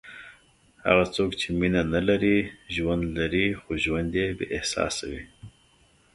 هغه څوک چې مینه نه لري، ژوند لري خو ژوند یې بېاحساسه وي.